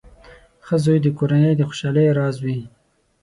• ښه زوی د کور د خوشحالۍ راز وي.